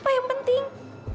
apa yang penting